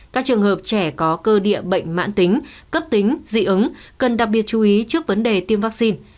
các trường hợp trẻ có cơ địa bệnh mãn tính cấp tính dị ứng cần đặc biệt chú ý trước vấn đề tiêm vaccine